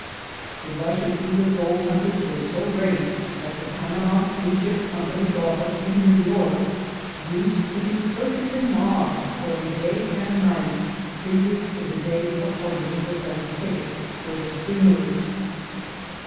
The rush of eager gold hunters was so great that the Panama Steamship Company's office in New York used to be perfectly mobbed for a day and a night previous to the day appointed for selling tickets for their steamers.